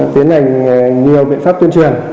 tiến hành nhiều biện pháp tuyên truyền